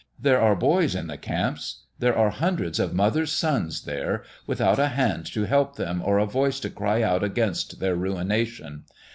There are boys in the camps there are hundreds of mother's sons there without a hand to help them or a voice to cry out against their ruination.